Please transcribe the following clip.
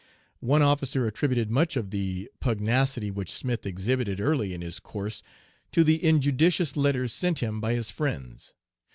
One officer attributed much of the pugnacity which Smith exhibited early in his course to the injudicious letters sent him by his friends.